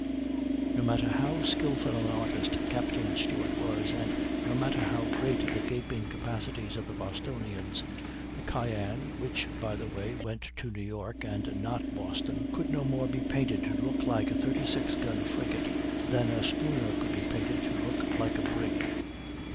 No matter how skilful an artist Captain Stewart was, and no matter how great the gaping capacities of the Bostonians, the Cyane (which by the way went to New York and not Boston) could no more be painted to look like a 36 gun frigate than a schooner could be painted to look like a brig.